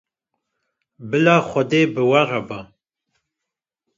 Bila Xwedê bi we re be!